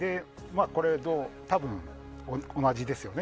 多分、同じですよね。